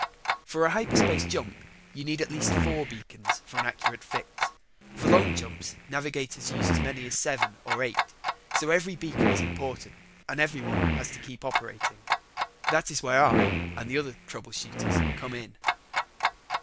For a hyperspace jump, you need at least four beacons for an accurate fix. For long jumps, navigators use as many as seven or eight. So every beacon is important and every one has to keep operating. That is where I and the other trouble shooters came in.